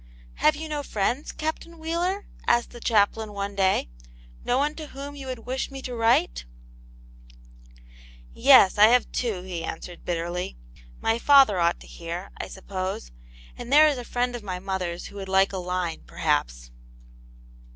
*' Have you no friends. Captain Wheeler ?" asked the chaplain, one day ;" no one to whom you would wish me to write ?"" Yes, I hav« two," he answered, bitterly. " My father ought to hear, I suppose, and there is a friend of my mother's who would like a line, perhaps."